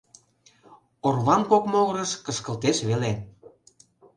Орвам кок могырыш кышкылтеш веле.